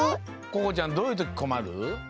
ここちゃんどういうときこまる？